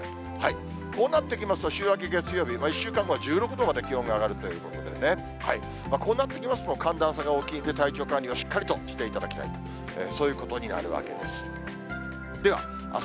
こうなってきますと、週明け月曜日、１週間後は１６度まで気温が上がるということでね、こうなってきますと、寒暖差が大きいんで、体調管理をしっかりとしていただきたいと、そういうことになるわけです。